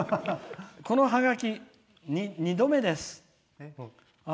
「このハガキ２度目です」。